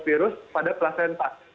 adanya partikul virus pada placenta